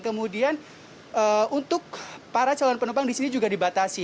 kemudian untuk para calon penumpang di sini juga dibatasi